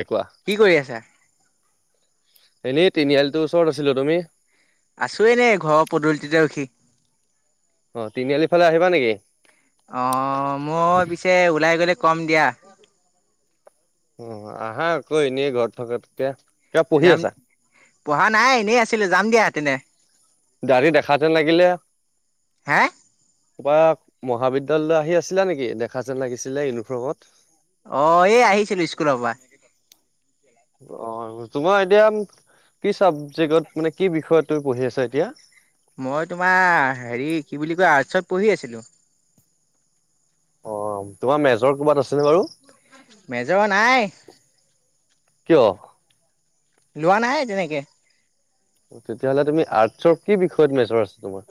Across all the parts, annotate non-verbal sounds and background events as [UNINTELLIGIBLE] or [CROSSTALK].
এ কোৱা কি কৰি আছা? এনেই তিনিআলিতৰ ওচৰত আছিলো তুমি। আছোৱেই ন ঘৰৰ পদূলিতিতে ৰখি। অ' তিনিআলি ফালে আহিবা নেকি? অ' মই পিছে ওলাই গ'লে। কম দিয়া। উ আহ হা কৈ ন ঘৰ থকাতকে। কিবা পঢ়ি যাম আছা পঢ়া নাই এনেই আছিলো, যাম দিয়া তেনে। দাঢ়ি দেখাতে লাগিলে। হে কা মহাবিদ্যালয়লৈ আহি আছিলা নেকি? দেখা যেন লাগিছিলে ইউনিফৰ্মত। অ' এই আহিছিলো স্কুলৰ পৰা। অ' তোমাৰ এতিয়া কি চাবজেক্টত মানে কি বিষয় তু পঢ়ি আছা এতিয়া? মই তোমাৰ হেৰি কি বুলি কয় আৰ্টছত পঢ়ি আছিলো। অ তোমাৰ মেজৰ ক'ৰবাত আছেনে বাৰু। মেজৰ নাই। কিয়। লোৱা নাই তেনেকে। তেতিয়াহ'লে তুমি আৰ্টচৰ কি বিষয়ত মেজৰ আছ ।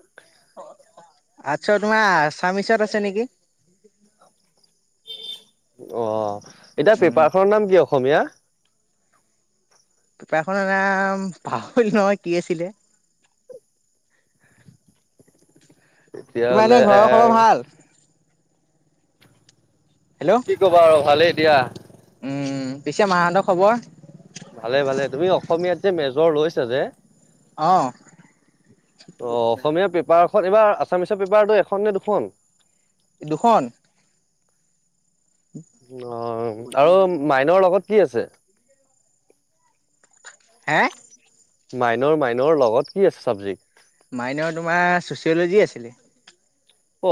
আচছা তোমাৰ আসামিচ আছে নেকি। অ এতিয়া উম। পেপাৰ খনৰ নাম কি। অসমীয়া। পেপাৰখনৰ নাম পাহৰিলো নহয় কি আছিলে। তোমাৰ এনে তেতিয়াহ'লে ঘৰৰ খবৰ ভাল। হেল্ল' কি ক'বা আৰু ভালেই। দিয়া উম পিছে মাহতৰ খবৰ। ভালে ভালে তুমি অসমীয়াত মেজৰ লৈছো যে। অ ত' অসমীয়া পেপাৰ। এ এইবাৰ আসামীয়া পেপাৰটো এখন নে দুখন। [UNINTELLIGIBLE] দুখন অ আৰু মাইনৰ লগত। কি আছে। হে মাইনৰ মাইনৰ লগত কি আছে চাবজেক্ট। মাইনে তোমাৰ ছচিয়লজি আছিলে।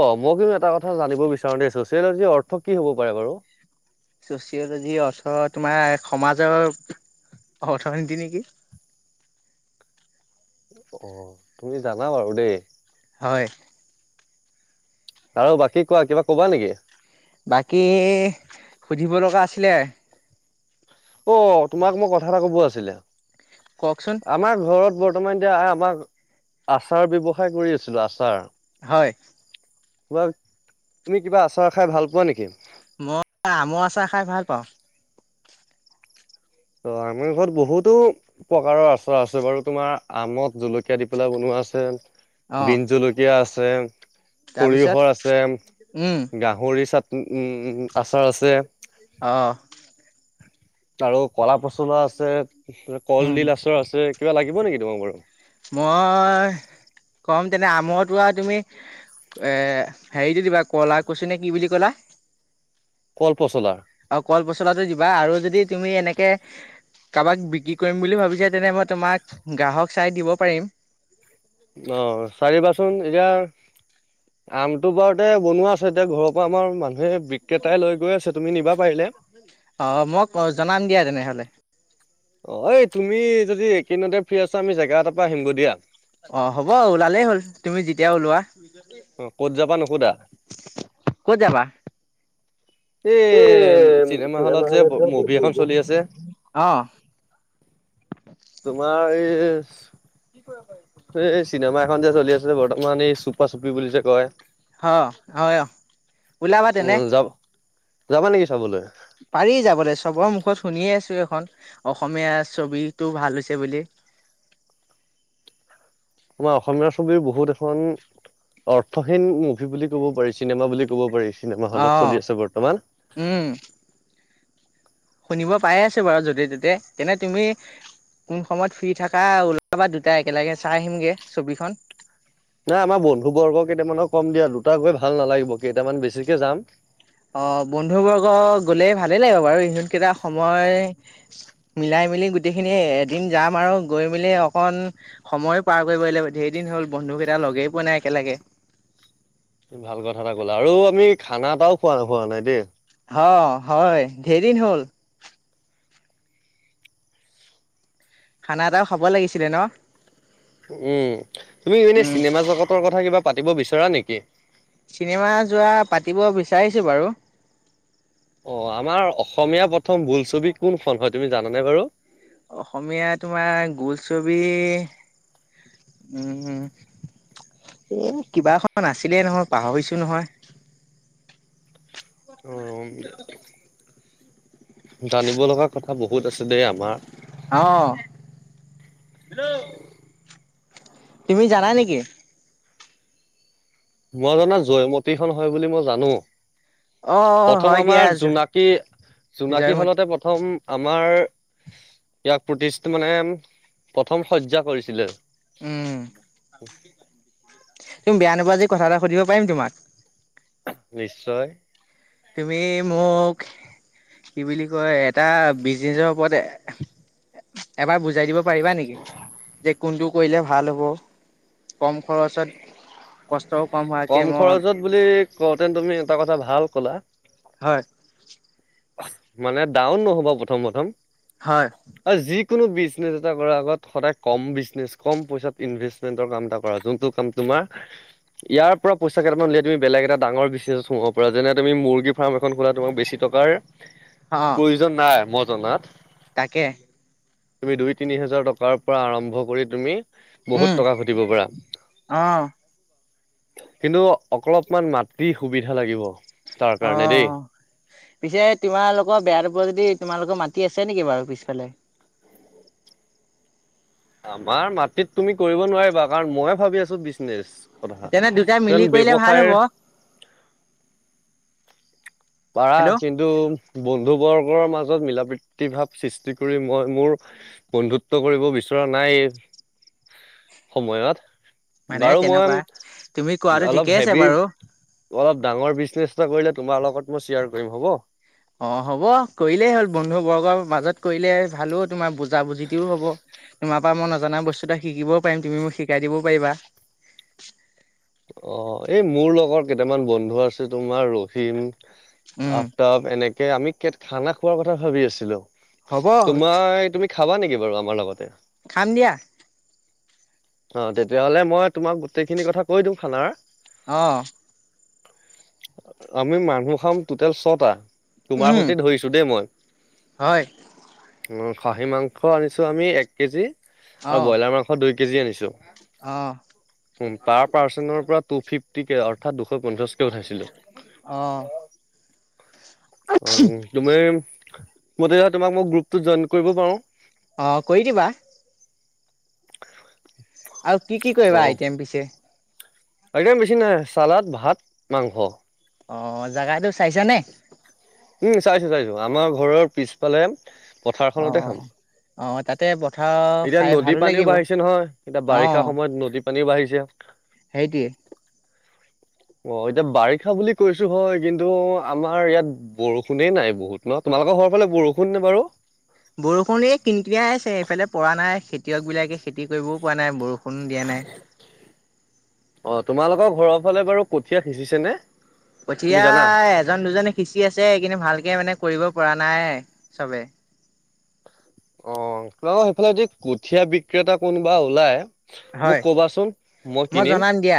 অ মই কিন্তু এটা কথা জানিব বিচাৰো দেই চচিয়লজিৰ অৰ্থ কি হব পাৰে বাৰু। চচিয়লজিৰ অৰ্থ তোমাৰ সমাজৰ অৰ্থনীতি নেকি। অ তুমি জানা বাৰু দেই। হয় আৰু বাকী কোৱা কিবা কবা নেকি। বাকী সুধিব লগা আছিলে। অ তোমাক মই কথা এটা কব আছিলে। কওকচোন আমাৰ ঘৰত। বৰ্তমান এতিয়া আমাক আচাৰ ব্যয়ৱসায় কৰি আছিলো আচাৰ। হয় কিবা তুমি কিবা আচাৰ খাই ভাল পোৱা নেকি। অ আমৰ আচাৰ খাই ভাল পাওঁ। অ আমাৰ ঘৰত বহুতো প্ৰকাৰৰ আচাৰ আছে বাৰু তোমাৰ আমত জলকীয়া দি পেলাই বনোৱা আছে। অ বিন জলকীয়া আছ। চয়ং। তাৰপিছত সৰিয়হৰ উম আছে গাহৰি চাত। উম উ আচাৰ আছে। অ তাৰু। কলা পচলা আছে। উম কলডিল আচৰ আছে। কিব লাগিবনে তোমাক বাৰু। মই কম তেনে আমৰটোৱা আৰু তুমি এ হেৰিটো দিবা কলা কুছি নে কি বুলি কলা। কল পচলা আও কল পচলা টো দিবা আৰু যদি। তুমি এনেকে কাবাক বিক্ৰী কৰিম বুলি ভাবিছা তেনে মই তোমাক গ্ৰাহক চাই দিব পাৰিম। অ চাইদিবাচোন এতিয়া আমটো বাৰু তে বনোৱা আছে এতিয়া ঘৰৰ পৰা আমাৰ মানুহ। বিক্ৰেতাই লৈ গৈ আছে। তুমি নিবা পাৰিলে। অ মক জনাম দিয়া তেনেহলে। অ এই তুমি যদি একেদিনতে ফ্ৰী আছা আমি জেগা এটাৰ পৰা আহিমগে দিয়া। অ হ'ব ওলালেই হ'ল তুমি যেতিয়া ওলোৱা। অ কত যাবা নোসোধা ক'ত যাবা? এই চিনেমা হলত যে মভি এখন চলি আছে? অ', তোমাৰ এ। এ চিনেমা এখন যে চলি আছিল বৰ্তমান এ চুপা চুপি পি বুলি যে কয় অ', হয় ওলাবা তেনে। উম যাব যাবা নেকি চাবলে। পাৰি যাবলৈ চবৰ মুখত শুনিয়ে আছো এখন অসমীয়া ছবিটো ভাল হৈছে বুলি। তোমাৰ অসমীয়া ছবিৰ বহুত এখন অৰ্থহীন মুভি বুলি ক'ব পাৰি চিনেমা বুলি কব পাৰি। চিনেমা হলত অ', চলি আছে বৰ্তমান। উম, শুনিব পাই আছো বাৰু য'তে ত'তে তেনে তুমি কোন সময়ত ফ্ৰী থাকা ওলাবা দুটা একেলগে চাই আহিমগে ছবিখন। নাই আমাৰ বন্ধু বৰ্গ কেইটামানক কম দিয়া দুটা গৈ ভাল নালাগিব কেইটামান বেছিকে যাম। অ বন্ধু বৰ্গ গলেই ভালেই লাগিব বাৰু ইহতকেইটা সময় মিলাই মিলি গোটেইখিনি এদিন যাম আৰু গৈ মেলি অকন সময় পাৰ কৰিব লাগিব ধেৰ দিন হ'ল বন্ধুকেইটা লগেই পোৱা নাই একেলগে। ভাল কথা এটা ক'লা আৰু আমি খানা এটাও খোৱা নাই খোৱা নাই দেই। অ হয় ধেৰ দিন হ'ল। খানা এটাও খাব লাগিছিলে ন। উম তুমি মিনে চিনেমা জগতৰ কথা কিবা। পাতিব বিচৰা নেকি। চিনেমা যোৱা পাতিব বিচাৰিছো বাৰু। অ আমাৰ অসমীয়া প্ৰথম বোলছবি কোন ফোন হয় তুমি জানানে বাৰু। অসমীয়া তোমাৰ বোলছবি উম এ কিবাখন আছিলে নহয় পাহৈছো নহয়। অ [UNINTELLIGIBLE] জানিব লগা কথা বহুত আছে দে আমাৰ। আহ হেল্লও তুমি জানা নেকি। মই মানে জয়মতীখন হয় বুলি মই জানো। অ প্ৰথম হয় দিয়া আমাৰ জোনাকী -জোনাকী জয়মতী খনতে প্ৰথম আমাৰ ইয়াক প্ৰতি মানে প্ৰতিছ প্ৰথম হত্যা কৰিছিলে [UNINTELLIGIBLE] উম উ তুমি বেয়া নোপোৱা যদি কথা এটা সুধিব পাৰিম তোমাক নি [UNINTELLIGIBLE] তুমি মোক কি বুলি কয় এটা বিজিতৰ ওপৰত এবাৰ বুজাই দিব পাৰিবা নেকি যে কোনটো কৰিলে ভাল হ'ব কম খৰচত কষ্টও হোৱাকে কম মই খৰচত বুলি কওঁতে তুমি এটা কথা ভাল ক'লা হয় মানে ডাউন নহ'ব প্ৰথম -প্ৰথম হয় কোনো বিজনেছ এটা কৰাৰ আগত সদায় কম বিজনেছ কম পইচাত ইনভেষ্টমেণ্টৰ কাম এটা কৰা যোনটো কাম তোমাৰ ইয়াৰ পৰা পইচা কেইটামানলিয়াই তুমি বেলেগ এটা ডাঙৰ বিজনেছ সোমাব পৰাাৰা যেনে তুমি মুৰ্গী ফাৰ্ম এখন খোলা তোমাক বেছি টকাৰ [UNINTELLIGIBLE] অ প্ৰয়োজন নাই মই জনাত তাকে তুমি দুই তিনি হাজাৰ টকাৰ পৰা আৰম্ভ কৰি তুমি বহুত উম টকা ঘটিব পাৰ অ কিন্তু অকৰপমান মাটি সুবিধা লাগিব [UNINTELLIGIBLE] অ দেই পিছে তোমালোকৰ বেয়া নোপোৱা যদি তোমালোকৰ মাতি আছে নেকি বাৰু পিছফালে [UNINTELLIGIBLE] আমাৰ মাটিত তুমি কৰিব নোৱাৰিবা কাৰণ মই ভাবি আছো বিজনেচ কথা তেনে দুটাাই কাৰণ মিলি কৰিলে ভাল হব ব্যৱসায়ৰ [UNINTELLIGIBLE] পাৰা হেল্ল' কিন্তু বন্ধু বৰ্গ মাজত মিলা প্ৰীতি ভাৱ সৃষ্টি কৰি মই মোৰ বন্ধুত্ব কৰিব বিচৰা নাই সময়ত [UNINTELLIGIBLE] মানে বাৰু তেনেকুৱা তুমি মই কোৱাটো অলপ ঠিকেই আছে হেভি বাৰু অলপ ডাঙৰ বিজনেছ কৰিলে তোমাৰ লগত মই শ্বেয়াৰ কৰিম হ'ব অ হ'ব কৰিলেই হ'ল বন্ধু বৰ্গৰ মাজত কৰিলে ভালো তোমাৰ বুজা বুজিতোও হব তোমাৰ পৰা মই নজনা বস্তু এটা শিকিবও পাৰিম তুমি মোক শিকাই দিবও পাৰিবা [UNINTELLIGIBLE] অ এই মোৰ লগৰ কেইটামান বন্ধু আছে তোমাৰ ৰহিম উম আফতাব এনেকে আমি কে খানা খোৱাৰ কথা ভাবি আছিলো হ'ব তোমাৰ তুমি খাবা নেকি বাৰু আমাৰ লগতে খাম দিয়া অ তেতিয়াহলে মই তোমাক গোটেইখিনি কথা, কৈ দিম খানাৰ । অ। আমি মানুহ খাম টোটেল ছটা । তোমাৰ উম সৈতে ধৰিছো দেই মই হয় । খাহী মাংস আনিছোঁ আমি, এক কেজি অ আৰু ব্ৰইলাৰ মাংস দুই কেজি আনিছোঁ। অ'! পাৰ্চনৰ পৰা টু ফিফটি কে, অৰ্থাৎ দুশ পঞ্চাছকে উঠাইছিলোঁ। অ অ' তুমি মই তেতিয়া হ'লে তোমাক মোক গ্ৰুপটো জইন কৰিব পাৰোঁ? অ' কৰি দিবা । আৰু কি কি কৰিবা আইটেম পিছে? আইটেম বেছি নায়, চালাদ, ভাত, মাংস । অ' জাগাটো চাইছা নে? উম চাইছোঁ চাইছোঁ, আমাৰ ঘৰৰ পিছফালে অ পথাৰখনতে খাম। অ তাতে পথাৰ এতিয়া খাই নদী ভালো পানীও লাগিব বাঢ়িছে নহয়, এতিয়া অ বাৰিষা সময়ত নদী পানী বাঢ়িছে। সেইটোৱে। অ' এতিয়া বাৰিষা বুলি কৈছো হয়, কিন্তু আমাৰ ইয়াত বৰষুণে নাই বহুত ন, তোমালোকৰ ঘৰৰ ফালে বৰষুণ নে বাৰু? বৰষুণ এই কিন কিয়াই আছে, এইফালে পৰা নাই। খেতিয়ক বিলাকে খেতি কৰিবও পৰা নাই, বৰষুণো দিয়া নাই। অ তোমালোকৰ ঘৰৰ ফালে বাৰু কঠীয়া সিঁচিছে নে? তুমি কঠিয়া, জানা এজন দুজনে সিঁচি আছে। কিন্তু ভালকে মানে কৰিব পৰা নাই। নাই চবে। অ' তোমালোকৰ সেইফালে যদি কঠিয়া বিক্ৰেতা কোনোবা ওলাই মোক হয় কবাচোন, মই কিনিম। জনাম দিয়া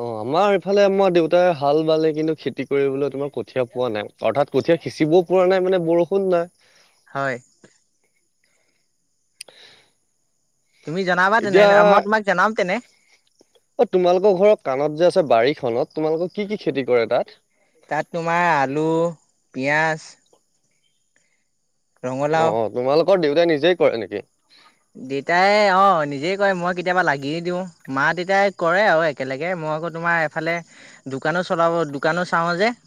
অ' আমাৰ এইফালে আমাৰ দেউতাই হাল বালে, কিন্তু খেতি কৰিবলৈ তোমাৰ কঠীয়া পোৱা নাই। অৰ্থাৎ কঠীয়া সিঁচিবও পৰা নাই মানে বৰষুণ নাই। হয়! তুমি জনাবা তেনে এতিয়া, মই তোমাক জনাম তেনে অ' তোমালোকৰ ঘৰৰ কাণত যে আছে বাৰিখ নত, তোমালোকৰ কি কি খেতি কৰে তাত? তাত তোমাৰ আলু পিঁয়াজ ৰঙালাও অ' অ' তোমালো ৰ‌ দেউতাই নিজেই কৰে নেকি? দেউতাই অ নিজেই কৰে, মই কেতিয়াবা লাগিয়ে দিওঁ। মা দেউতাই কৰে আৰু একেলগে, মই আকৌ তোমাৰ এফালে দোকানোঁ চলাব দোকানোঁ চাওঁ যে ।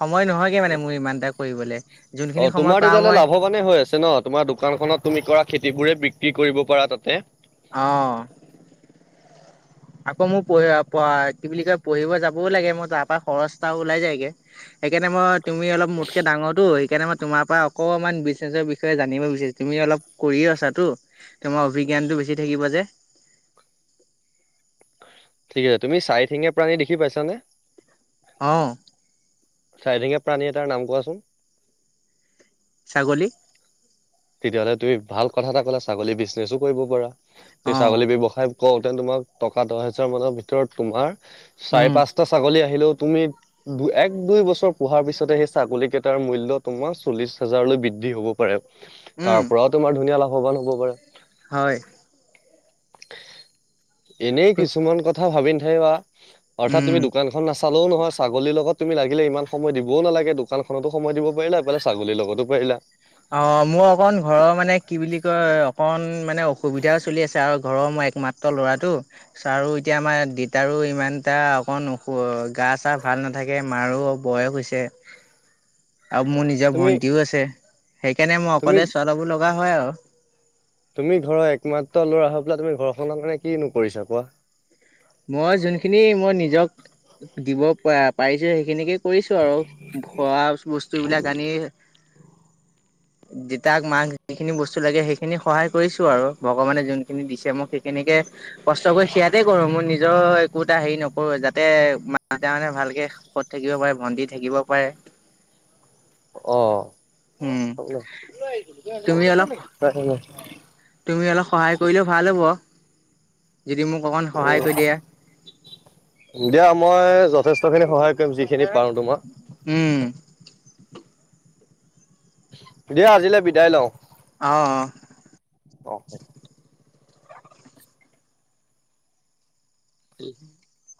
সময় নহয়গে মানে, মোৰ ইমান এটা পঢ়িবলে। অ' তোমাৰ তেতিয়াহ'লে লাভৱানে হৈ আছে ন, তোমাৰ দোকানখনত তুমি কৰা খেতিবোৰে, বিক ক্ৰী কৰিব পাৰা তাতে। অহ। আকৌ মোক কহ আ। বা কি বুলি কয় পঢ়িব যাব। কবও লাগে মই তাৰ পৰা খৰচ এটা ওলাই যায়গে সেইকাৰণে মই। তুমি অলপ মোতকে‌ ডাঙৰতো। সেইকাৰণে মই তোমাৰ পৰা অকমান বিজনেছৰ বিষয়ে জানিব বিচাৰিছো। তুমি অলপ কৰিয়ে আছাতো তোমাৰ অভিজ্ঞানতটো বেছি থাকিব যে। ঠিক আছে তুমি চাৰিঠেঙীয়া প্ৰাণী দেখি পাইছানে। অ। চাৰিঠেঙীয়া প্ৰাণী এটাৰ নাম কোৱাচোন। ছাগলী। তেতিয়াহ'লে তুমি ভাল কথা এটা ক'লা ছাগলী বিজনেচো কৰিব পাৰা। সেই অ ছাগলী ব্যৱসায়। কওঁ দেন তোমাক টকা দহ হোজাৰ মানৰ ভিতৰত তোমাৰ। চাৰে উম পাঁচটা ছাগলী। আহিলেও তুমি দু এক দুই বছৰ পোহাৰ পিছতে সেই ছাগলীকেইটাৰ মূল্য তোমাৰ চল্লিছ হাজাৰলৈ বৃদ্ধি হ'ব পাৰে। উম তাৰ পৰাও তোমাৰ ধুনীয়া লাভ। ভৱান হ'ব পাৰা। হয়। এনেই কিছুমান কথা ভাবি। সেইৱা। অৰ্থাৎ তুমি উম দোকানখন না। চালেও নহয় ছাগলীৰ লগত তুমি লাগিলে ইমান সময় দিবও নালাগে দোকানখনতো সময় দিব পাৰিলা এইফালে ছাগলীৰ লগতো পাৰিলা। অ মোৰ অকণ ঘৰৰ মানে বুলি কি কয় অকণ মানে অ। সুবিধাও চলি আছে আৰু ঘৰৰ মই একমাত্ৰ ল'ৰাটো চ আৰু এতিয়া আমাৰ দেতাৰো ইমান এটা অকণ গা চা ভাল নাথাকে মাৰো বয়স হৈছে। আৰু মোৰ নিজৰ তুমি ভণ্টিও আছে। সেইকাৰণে মই তুমি অকলে চলাব লগা হয় আৰু। তুমি ঘৰৰ একমাত্ৰ ল'ৰা হৈ পেলাই তুমি ঘৰখনৰ কাৰণে কি নকৰিছা কোৱা। মই যোনখিনি মই নিজক দিব প পাৰিছো সেইখিনিকে। কৰিছোঁ আৰু খোৱা বস্তুবিলাক আনি। দেতাক মাক যিখিনি বস্তু লাগে সেইখিনি সহায় কৰিছো আৰু ভগৱানে যোনখিনি দিছে মোক সেইখিনিকে কষ্ট কৰি সেয়াতে কৰো মোৰ নি। জৰ একো এটা হেৰি নকৰোঁ যাতে মা‌ দেতাহতে ভালকে সুখত থাকিব পাৰে ভণ্টি থাকিব পাৰে। অ। উম হয়ন, হয় তুমি অলপ ন। তুমি অলপ সহায় কৰিলেও ভাল হব। যদি মোক অকণ সহায় উম, কৰি দিয়া দিয়া মই যথেষ্ট--। খিনি সহায় কৰিম যিখিনি পাৰো তোমাৰ উম দিয়া আজিলে বিদায় লওঁ। আহ। অ এই